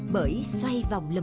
bởi xoay vòng